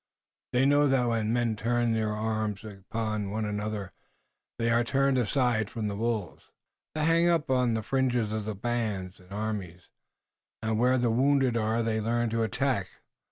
They know that when men turn their arms upon one another they are turned aside from the wolves. They hang upon the fringes of the bands and armies, and where the wounded are they learn to attack.